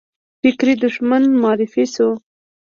فکري دښمن معرفي شو